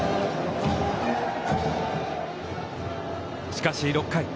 しかし、６回。